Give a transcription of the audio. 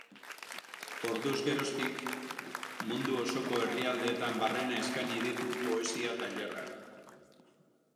Orduz geroztik, mundu osoko herrialdeetan barrena eskaini ditu poesia-tailerrak.